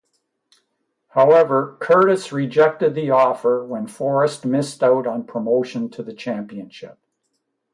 However, Curtis rejected the offer when Forest missed out on promotion to the Championship.